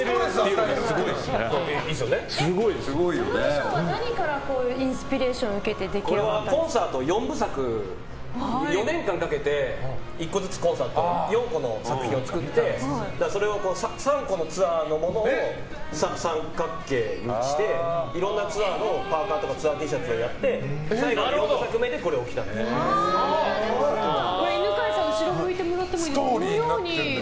その衣装は何からインスピレーションを受けてこれはコンサート４部作４年間かけて１個ずつコンサート４個の作品を作ってそれを３個のツアーのものを三角形にしていろんなツアーのパーカとかツアーＴシャツをやって最後に４部作目で犬飼さん、後ろ向いてもらっていいですか？